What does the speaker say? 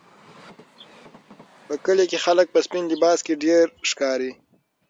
په کلي کې خلک په سپین لباس کې ډېر ښکاري.